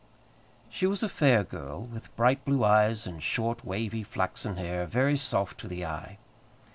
She was a fair girl, with bright blue eyes and short wavy flaxen hair, very soft to the eye.